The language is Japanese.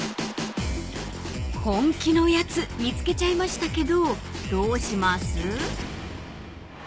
［本気のやつ見つけちゃいましたけどどうします？］